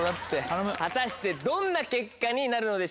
果たしてどんな結果になるのでしょうか？